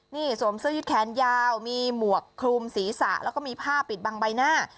นี่สวมเสื้อยืดแขนยาวมีหมวกคลุมศีรษะแล้วก็มีผ้าปิดบังใบหน้า